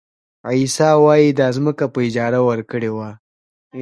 عیسی وایي دا ځمکه په اجاره ورکړې وه.